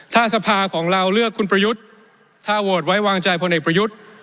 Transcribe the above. ถ้าสภาของเราเลือกคุณประยุทธ์ถ้าโหวตไว้วางใจพลเอกประยุทธ์